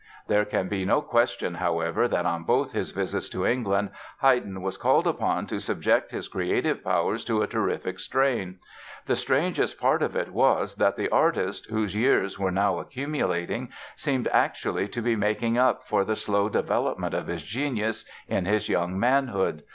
There can be no question, however, that on both his visits to England Haydn was called upon to subject his creative powers to a terrific strain. The strangest part of it was that the artist, whose years were now accumulating, seemed actually to be making up for the slow development of his genius in his young manhood.